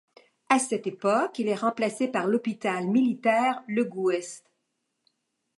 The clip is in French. À cette époque, il est remplacé par l’hôpital militaire Legouest.